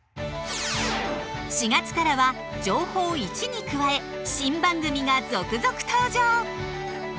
４月からは「情報Ⅰ」に加え新番組が続々登場！